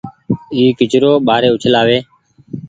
اي ڪچرو ٻآري اڇلآ وي